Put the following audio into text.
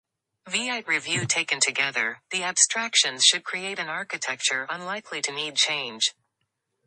Taken together, the abstractions should create an architecture unlikely to need change.